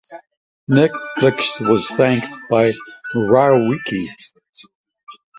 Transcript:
Netflix was thanked by Morawiecki.